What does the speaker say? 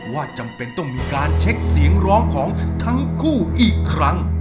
จำเป็นต้องมีการเช็คเสียงร้องของทั้งคู่อีกครั้ง